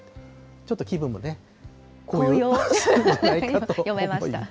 ちょっと気分も高揚するんじゃないかと思いました。